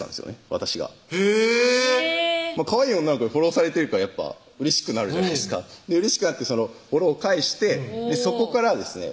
私がへぇかわいい女の子にフォローされてるからやっぱうれしくなるじゃないですかうれしくなってフォローを返してそこからですね